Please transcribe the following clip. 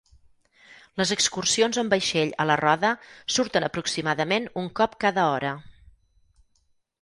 Les excursions en vaixell a la roda surten aproximadament un cop cada hora.